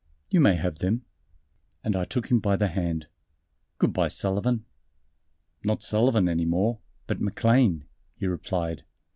"You may have them." And I took him by the hand, "Good by, Sullivan." "Not Sullivan anymore, but McLean," he replied.